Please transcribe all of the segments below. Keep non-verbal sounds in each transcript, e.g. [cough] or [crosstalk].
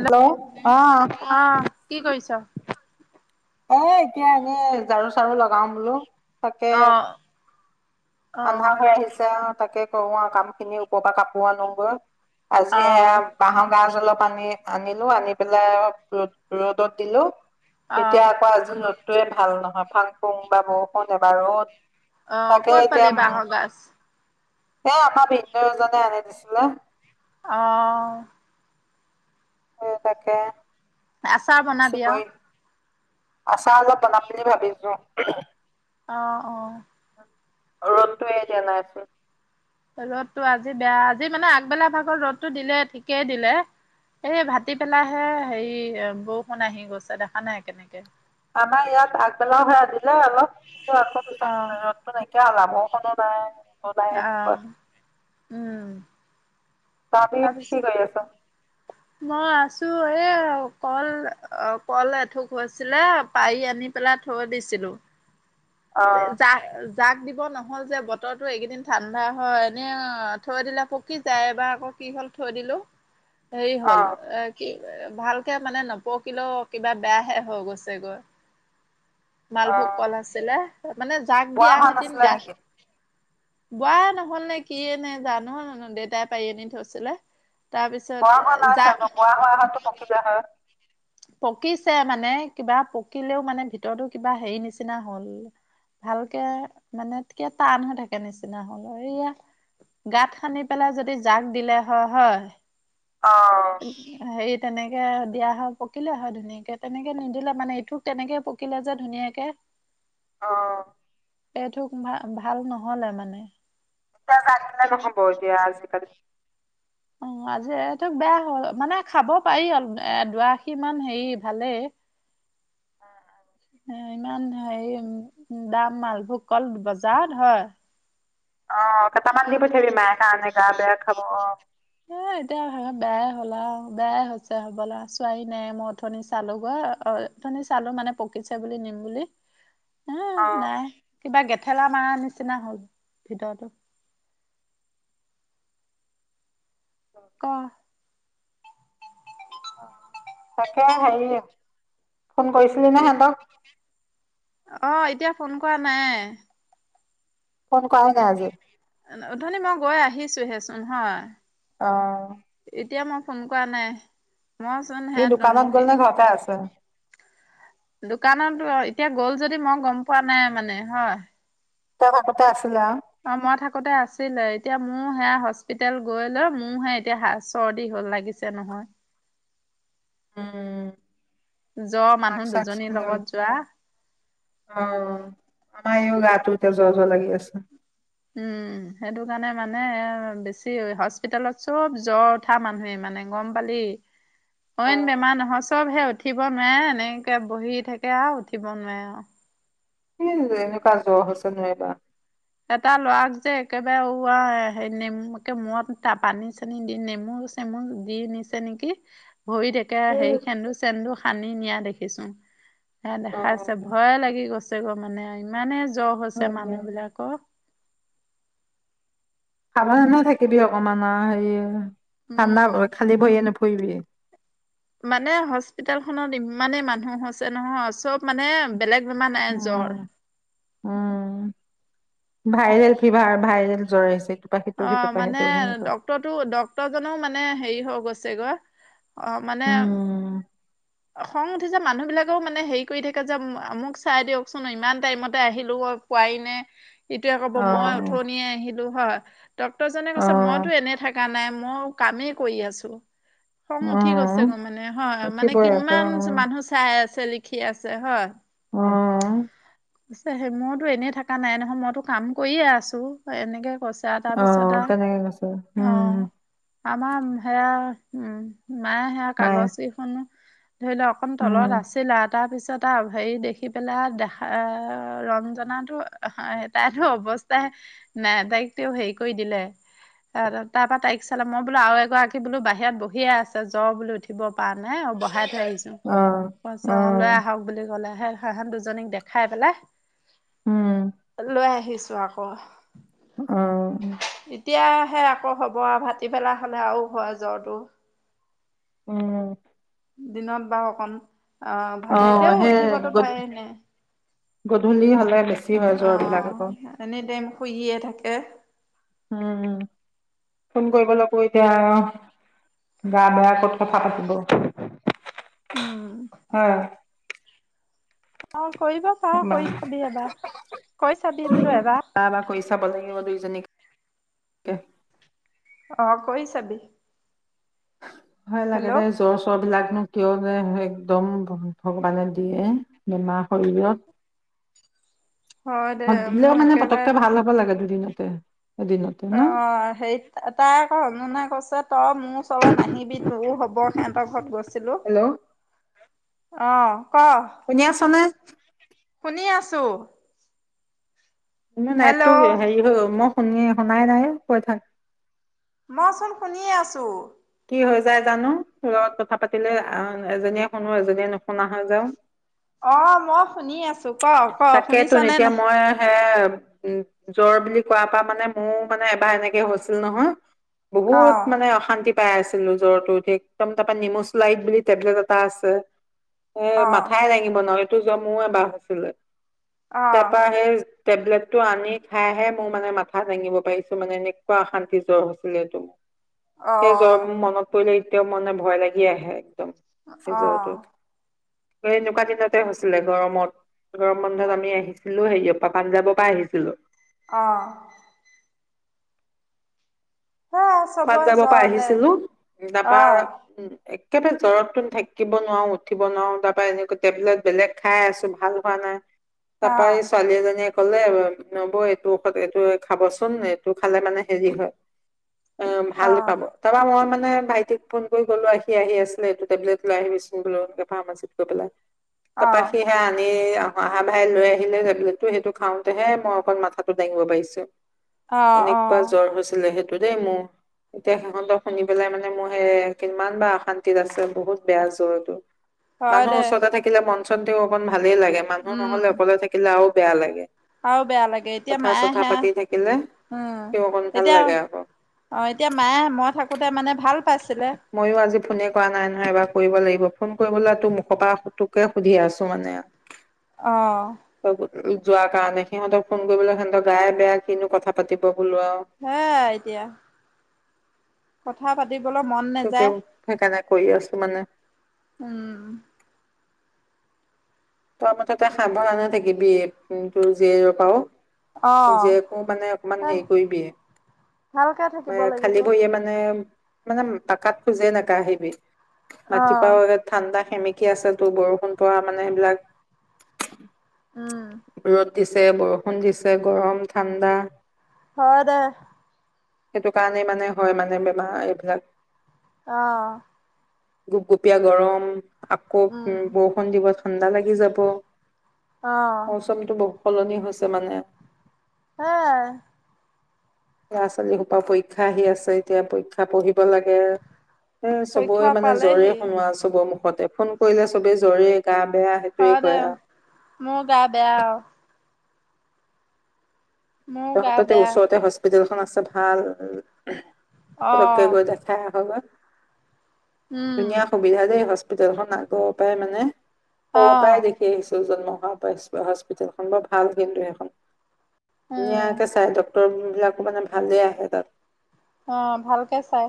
Hello অঁহ অ কি কৰিছ? এ' এতিয়া এনেই ঝাৰু- চাৰু লগাই আছো। [unintelligible] তাকে অ অ আন্ধা হৈ আহিছে অ তাকে কৰো আৱ কামখিনি ওপ পা কাপোৰ আনোগৈ আজি অ এ বাঁহৰ গাজ অলপ আনি আনি লো আনি পেলাই ৰ ৰ'দত দিলো অ এতিয়া আকৌ আজি বতটোৱে ভাল নহয় ফাং ফুং এবা বৰষুণ এবাৰ ৰ'দ অ তাকে ক'ত এতিয়া পালে বাঁহ গাজ এ আমাৰ ভিনদেউ এজনে আনি দিছিলে অহ সে তাকে আচাৰ বনাবি আৱ আচা অলপ বনাম বুলি ভাবিছোঁ উ উমহ অ অ ৰ'দটোয়ে এতিয়া নাইচোন ৰ'দটো আজি বেয়া আজি মানে আগবেলা ভাগত ৰ'দটো দিলে ঠিকে দিলে। এই ভাটি পেলাই হে হেৰি বৰষুণ আহি গৈছে দেখা নাই কেনেকে আমাৰ ইয়াত আগবেলা হৈ আছিলে অলপ কিন্তু আকৌ পিছত অ ৰ'দটো নাইকি কিয়া হ'ল আৱ বৰষুণো নাই ৰ'দো নাই এনেকুৱা অহ উম তঁহতি কি তাৰপিছত কৰি আছ মই আছোঁ এ কল অ কল এথুক হৈছিলে পাৰি আনি পেলাই থৈ দিছিলোঁ অ জা জাক দিব নহ'ল যে বতৰটো এইকেইদিন ঠাণ্ডা হয় এনে থৈ দিলে পকি যায় এবাৰ আকৌ কি হ'ল থৈ দিলো হেই অ হ'ল এ কি এ ভালকে মানে নপকিলেও কিবা বেয়াহে হৈ গৈছে গৈ অ মালভোগ কল আছিলে মানে জাক বোৱা দিয়া হোৱা হেতিন নাছিলে গা নেকি বোৱা নহ'ল নে কি এ নে, জানো দেউতাই পাৰি আনি থৈছিলে তাৰপিছত বোৱা হোৱা নাই জাক চাগে বোৱা হোৱা হলেতো পকিলে হয় পকিছে মানে কিবা পকিলেও মানে ভিতৰতো কিবা হেৰি নিচিনা হ'ল ভালকে মানে টান হৈ থাকে নিচিনা হ'ল এইয়া গাত খানি পেলাই যদি জাগ দিলে হয় হয় অ সেই তেনেকে দিয়া হওক। পকিলে হয় ধুনীয়াকে তেনেকে নিদিলে মানে এইটো তেনেকে পকিলে যে ধুনীয়াকে অ। ভাল ভাল নহলে মানে এতিয়া চাই থাকিলে নহ'ব এতিয়া আজিকালি অ আজি এই তোক বেয়া হ মানে খাব পাৰি অল এ দুআশী মান হেৰি ভালেই। এ ইমান হেৰি দাম মালভোগ কল বজাৰত হয়। অ কেইটামান দি পঠিয়াবি মাই কাৰণে গা বেয়া খাব অ। এ এতিয়া বেয়াই হ'লা বেয়াই হৈছে হ'বলা ছোৱাই নাই, মই অথনি চালোগৈ অ অথনি চালো মানে পকিছে বুলি নিম বুলি। হ অ নাই কিবা গেট খেলা মাৰ নিচিনা হ'ল ভিতৰতো। ক? অ। তাকে সেৰি ফোন কৰিছিলি কি? নে সেহতক? অ এতিয়া ফোন কৰা নাই। ফোন কৰা নাই আজি। অথনি মই গৈ আহিছোহেচোন হয়। অ। এতিয়া মই ফোন কৰা নাই। মই চোন ই দোকানত গ'ল সেই, নে ঘৰতে আছে দোকানতো এতিয়া গ'ল যদি মই গম পোৱা নাই মানে হয়। তই কাষতে আছিলি আও। অ মই থাকোতে আছিলে এতিয়া মোৰ সেয়া হস্পিতেল গৈ লৈ মোৰহে এতিয়া চৰ্দি হল লাগিছে নহয়। উম। য মাস্ক মানুহ চাস্ক দুজনীৰ পিন্ধল লগত যোৱা অ, আমাৰ ইও গাটো জ্বৰ জ্বৰ লাগি আছে। উম, সেইটোকাৰণে মানে এ বেছি হস্পিতালত চব জ্বৰ উঠা মানুহে মানে গম পালি। অইন অ', বেমাৰ নহয় চবহে উঠিব নোৱাৰে এনেকে বহি থাকে আৰু উঠিব নোৱাৰে আৰু। সে এনেকোৱা জ্বৰ হৈছে নহয় এইবাৰ। এটা ল'ৰাক যে একেবাৰে উ হা নেমুকে মূৰত পানী চানী দি নেমু চেমু দি নিছে নেকি? ভৰি থাকে হেৰি সেন্দুৰ- চেন্দুৰ সানি নিয়া দেখিছো। হে অ', দেখাইছে ভয় লাগি গৈছে। তেঘ মানে ইমানে জ্বৰ হৈছে হয় দে। মানুহ বিলাক সাৱধানে থাকিবি অকমান অ হেৰি ঠণ্ডা উম খালি ভৰিয়ে নো কৰিবিয়ে মানে হস্পিতেল খনত ইমানেই মানুহ হৈছে নহয় চব মানে বেলেগ বেমাৰ নাই উম, জ্বৰ উম। ভাইৰেল ফিভাৰ ভাইৰেল জ্বৰ হৈছে অ মানে ডক্তৰটো ডক্তৰ জনো মানে হেৰি হৈ গৈ ছে গৈ অঁ মানে উম, খং উঠিছে মানুহ বিলাকেও মানে হেৰি কৰি থাকে যে মোক চাই দিয়কচোন ইমান টাইমতে আহিলো মই পোৱাই নাই ইটোৱে ক'ব মই অ', উঠনিয়ে আহি সেইটো হয় ডক্তৰজনে কৈছে অ', মইতো এনেই থকা নাই মই কামেই কৰি আছো খং উঠি গৈছে অ', গৈ মানে হয় মানে উঠিবই হয় আকৌ ইমান মানুহ চাই চাই আছে লিখি আছে হয় উম পাছে সেই মোৰতো এনেই থকা নাই নহয় মইতো কাম কৰিয়ে আছো এনেকে কৈছে আৰু অহ তাৰপিছত আৰু তেনেকে কৈছে অ উম আমাৰ সেয়া উম মায়ে সেয়া মায়ে কাগজ কেইখনো ধৰি লও অকন উম তলত আছিল আও তাৰ পিছত আৰু হেৰি দেখি পেলাই দেখা ৰঞ্জো তাইতো অৱস্থাই নাই তাইক তেওঁ হেৰি কৰি দিলে তাৰ পৰাৰা তাইক চালে মই বোলো আৰু এগৰাকী বোলো বাহিৰত বহিয়ে আছে জ্বৰ বুলি উঠিব পৰা নাই বহাই থৈ আহিছো অ অ তাৰপিছত লৈ আহক বুলি ক'লে হিহত দুজনীক দেখাই উম পেলাই লৈ আহিছো ছো আক অ সে আকৌ হ'ব আৰু ভাটি পেলা হলে আৰু হয় জ্বৰটো উম দিনত বা অকণ অহ অ ভালে তেওঁ সেই উঠিবতো গ পায়নে গধূলি হ'লে বেছি হয় জ্বৰ বিলাক অ' আকৌ এনিটাইম শুইয়ে থাকে। উম, ফোন কৰিবলৈকো এতিয়া গা বেয়া ক'ত কথা পাতিব! উম হয়। অ'। কৰিব পাৰো, বা কৰি চাবি এবাৰ। কৈ চাবি বোলো এবাৰ। বা কৰি চাব লাগিব দুইজনীকে। অ' কৰি চাবি। ভয় লাগে হেল্ল' দেই, জ্বৰ-চ্বৰবিলাকনো। কিয় যে একদম ভগৱানে দিয়ে! বেমাৰ শৰীৰত। হয় দে দিলেও মোৰ মানে একেবাৰে পটককে ভাল হ'ব লাগে দুদিনত। তে। অ' সেই, তাই আকৌ [unintelligible] কৈছে তই। মোৰ ওচৰলে নাহিবি, তোৰো হ'ব। হেতৰ ঘৰত গৈছে। চিলো। হেল্ল' অ'। ক শুনি আছনে? শুনি আছো। মানে, নেটটো হেল্ল' হেৰি হৈ মই। শুনিয়ে শুনাই নাই। কৈ থাক। মইচোন শুনিয়ে আছো। কি হৈ যায় জানো? তোৰ লগত কথা পাতিলে এজনীয়ে শুনো, এজনীয়ে নুশুনা হৈ যাও। অ' মই শুনি আছো, ক ক তাকেতোন শুনিছনে এতিয়া নাই? মই হে উম জ্বৰ বুলি কোৱাৰ পৰা মানে, মোৰ মানে এবাৰ এনেকে হৈছিল নহয়! বহুত অহ মানে অশান্তি। পাই আছিলো জ্বৰটো উঠি একদম, তাৰপা নিমোচলাইট বুলি টেবলেট এটা আছে। এ অহ মাথাই দাঙিব নহয়। টো জমুৱে বাহ [unintelligible] তাপা সেই, টেবলেটটো আনি খাইহে মোৰ মানে মাথা দাঙিব পাৰিছো মানে, এনেকুৱা অশান্তি জ্বৰ হৈছিলে এইটো মোৰ। সেই জ্বৰ মোৰ মনত পৰিলে, তেওঁ মনে ভয় লাগি আহে। উম সেই জৰটো এনেকুৱা দিনতে হৈছিলে গৰমত গৰম বন্ধত আমি আহিছিলো হেৰিয়ৰ পৰা পাঞ্জাৱৰ পৰা আহিছিলো অ সেয়াই চবৰে পাঞ্জাবৰ জ্বৰ পৰা দে আহিছিলো অহ তাৰপৰা উম একেবাৰে জ্বৰত ত থাকিব নোৱাৰো উঠিব নোৱাৰো তাৰ পৰা এনেকুৱা টেবলেট বেলেগ খাই আছো ভাল হোৱা নাই অহ তাৰাপৰা ছোৱালী এজনীয়ে কলে নবৌ এইটো ঔষধ এইটোৱে খাবচোন এইটো খালে মানে হেৰি হয় অ ভাল অহ পাব তাৰপৰা মই মানে ভাইটিক ফোন কৰি কলো আহি সি আহি আছিলে এইটো টেবলেট লৈ আহিবিচোন বোলো এ ফাৰ্মাচীত গৈ পেলাই তাৰপৰা অহ সি বেয়া আনি আও অহা ভাই লৈ আহিলে টেবলেটটো সেইটো খাওঁতেহে মই অকণ মাথাটো দাঙিব পাৰিছো অ অ এনেকুৱা জ্বৰ হৈছিলে ততেই মোৰ এতিয়া সিহঁতক শুনি পেলাই মানে মোৰ সেই কিমান বাৰ অশান্তিত আছে বহুত বেয়া জ্বৰটো হয় মানুহৰ দে ওচৰতে থাকিলে মন চন তেও অকনমা- ভালেই লাগে মানুহ উম নহ'লে অকলে থাকিলে আৰু বেয়া লাগে আৰু বেয়া লাগে এতিয়া কথা মাই চথা পাতি থাকিলে হেয়া তেওঁ অকণ উম ভাল এতিয়া লাগে আকৌ। অঁ এতিয়া মায়ে মই থাকোঁতে মানে ভাল পাইছিলে ময়ো আজি ফোনে কৰা নাই নহয় এবাৰ কৰিব লাগিব ফোন কৰিবলৈ তো মুখৰ পৰা সেইটোকে সুধি আছো মানে অহ যোৱা কাৰণে সিহঁতক ফোন কৰিবলৈ সিহঁতক গায়ে বেয়া কিনো কথা পাতিব বোলো আৰু হা এতিয়া কথা পাতি- দিবলৈ মন তোকে নাযায় সেইকাৰণে কৰি আছো মানে উম তোৱা মতে তই সাবধানে থাকিবি থাকিবি তোৰ জীয়েৰ পাও অ'। জীয়েকো মানে অকমান হা হেৰি কৰিবি ভালকে থাকিব লাগিব। খালী ভৰিৰে মানে মানে পাকাত খোজে নাকাহিবি মাটি পাও অ', ঠাণ্ডা। সেমেকি আছে তোৰ বৰষুণ পৰা মানে সেইবিলাক উম, ৰ'দ দিছে বৰষুণ দিছে গৰম ঠাণ্ডা। হয় দে। সেইটো কাৰণে মানে হয় মানে বেমাৰ এইবিলাক। আহ। গুপগুপীয়া গৰম। আকৌ উম। বৰষুণ দিব ঠাণ্ডা লাগি যাব। অ', টো বহুত সলনি হৈছে মানে। সেযায়। ল'ৰা ছোৱালীসোপা পৰীক্ষা আহি আছে এতিয়া পৰীক্ষা পঢ়িব লাগে। এ চবৰে পৰীক্ষা মানে জ্বৰে পালেহি শুনোৱা চবৰ মুখতে ফোন কৰিলে চবেই জ্বৰে। গা বেয়া সেইটোৱে হয় দে কয় আৰু মো গা বেয়া আও। [inaudible] মোৰ গা তহততে বেয়া ওচৰতে হস্পিটেল। খন আছে ভাল তাতে অ', গৈ দেখাই আহা গৈ। উম। ধুনীয়া সুবিধা দেই হস পিতেলখন আগৰ পাই মানে। সৰু পাই অ', দেখি আহিছোঁ। জন্ম হোৱা পা হস্পিতেলখন বৰ ভাল কিন্তু সেইখন। উম, ধুনীয়াকে চাই ডক ৰ বিলাকো মানে ভালেই আহে তাত। অ ভালকে চাই।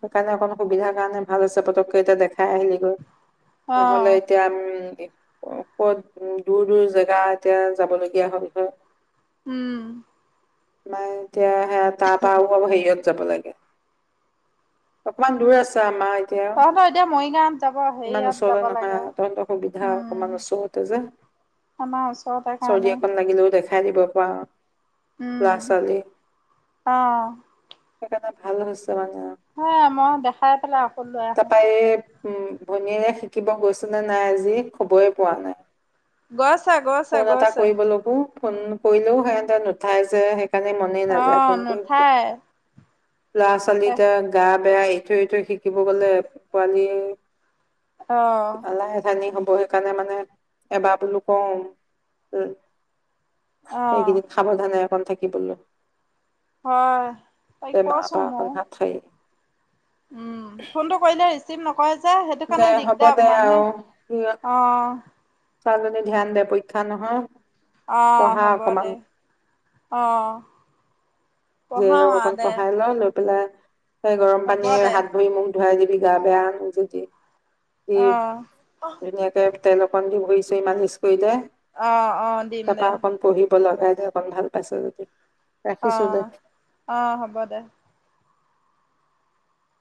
সেইকাৰণে অকণ সুবিধাৰ কাৰণে ভাল হৈছে পতকে এতিয়া দেখাই আহিলি গৈ। নহ'লে অ', এতিয়া উম কত উ দূৰ দূৰ জেগা এতিয়া যাব লগীয়া হল হয়। উম। নাই এতিয়া হে তাৰপা আও অ হেৰীয়ত। যাব লাগে। অকমান দূৰ আছে আ। আমাৰ এতিয়া তহঁতৰ এতিয়া মৰিগাঁৱত যাব ইমান হেৰিয়াত ওচৰতে যাব নহয় লাগে আও। তহতৰ সুবিধা উম। অকমান ওচৰতে যে আমাৰ ওচৰতে চৰ্দি কাৰণে অকন লাগিলেও দেখা দিব পাওঁ। উম আহ। সেইকাৰণে ভাল হৈছে। ত। সেইয়া মই দেখাই পেলাই অকৌ লৈ আহোঁ। তাৰপা এই উম! ভনীয়েৰে শিকিব গৈছেনে নাই আজি! খ'বৰে পোৱা নাই। গৈছে, গৈছে, ফোন এটা গৈছে। কৰিবলৈকো ফোন কৰিলেও সিহঁতে নুঠাই যে। সেইকাৰণে মনেই নাযায় অ'! ফোন কৰিব। নুঠায়। ল'ৰা [unintelligible] চলিত গাপ বেয়া, ইটোৱে, ইটো শিকিব গ'লে পোৱালি অঁ আলৈ আথানি হ'ব সেইকাৰণে, মানে এবাৰ বোলো কওঁ! উম! অঁ সেইখিনিত সাৱধানে থাকিবলৈ হয়। তাইক কৈছোঁ ম [unintelligible] উম! ফোনটো কৰিলে ৰি ৰিচিভ নকৰে যে, সেইটো দে কাৰণে হ'ব দে দিগদাৰ মানুহে, অ'! চালো দে, ধ্যান দে, পৰীক্ষা নহয়? অ'! পঢ়া হ'ব অকমান দে। অ'! যে, অকণ পঢ়াই লও ন [unintelligible] পেলাই গৰম হ'ব পানীয়ে দে হাত ভৰি মুখ ধুৱাই দিবি গা বেয়া যদি। কি অঁ ধুনীয়াকে তেল অকন দি ভৰি ছই মালিচ কৰিলে। অঁ অঁ দিম তাৰপা, দে অকন পঢ়িব লগাই দে অকণ ভাল পাইছে যদি। ৰাখিছোঁ দে। অ'! হ'ব দে।